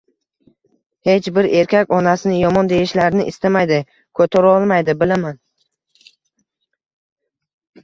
Hech bir erkak onasini yomon deyishlarini istamaydi, ko`tarolmaydi, bilaman